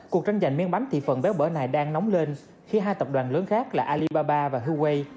cuộc tranh giành miên bánh thị phần béo bở này đang nóng lên khi hai tập đoàn lớn khác là alibaba và huawei